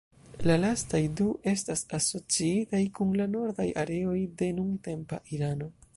La lastaj du estas asociitaj kun la nordaj areoj de nuntempa Irano.